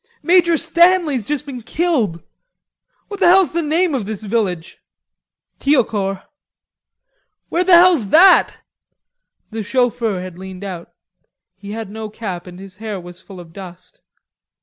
Major Stanley's just been killed. What the hell's the name of this village?" "Thiocourt." "Where the hell's that?" The chauffeur had leaned out. He had no cap and his hair was full of dust.